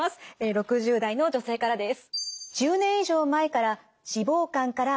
６０代の女性からです。